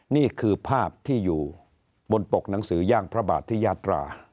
นี่คือภาพที่อยู่บนปกหนังสือย่างพระบาทที่ยาตรา